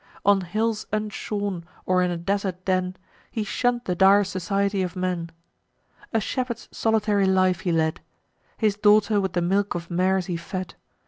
On hills unshorn, or in a desert den, He shunn'd the dire society of men. A shepherd's solitary life he led; His daughter with the milk of mares he fed.